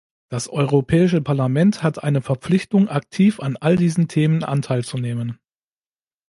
Das Europäische Parlament hat eine Verpflichtung, aktiv an all diesen Themen Anteil zu nehmen.